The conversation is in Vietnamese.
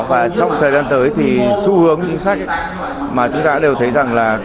và trong thời gian tới thì xu hướng chính sách mà chúng ta đều thấy rằng là